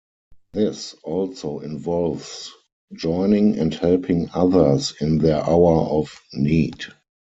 This also involves joining and helping others in their hour of need.